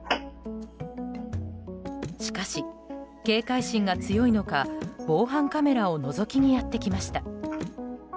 しかし、警戒心が強いのか防犯カメラをのぞきにやってきました。